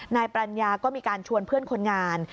นายปรัญญาก็มีการชวนเพื่อนคนงาน